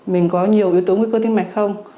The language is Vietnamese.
mình có nhiều yếu tố nguy cơ tim mạch không